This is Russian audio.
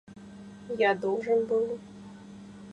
Я должен был...